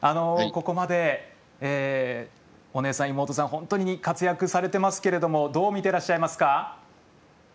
ここまで、お姉さん妹さん本当に活躍されていますがどう見ていらっしゃいますか？